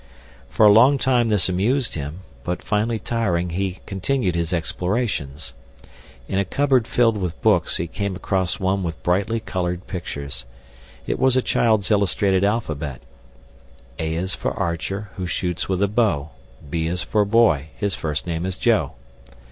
For a long time this amused him, but finally tiring he continued his explorations. In a cupboard filled with books he came across one with brightly colored pictures—it was a child's illustrated alphabet— A is for Archer Who shoots with a bow. B is for Boy, His first name is Joe.